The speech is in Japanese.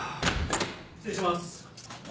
失礼します。